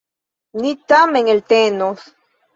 Ni tamen eltenos.